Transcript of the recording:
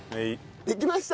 できました。